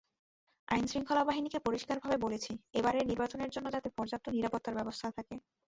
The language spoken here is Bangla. আইনশৃঙ্খলা বাহিনীকে পরিষ্কারভাবে বলেছি, এবারের নির্বাচনের জন্য যাতে পর্যাপ্ত নিরাপত্তার ব্যবস্থা থাকে।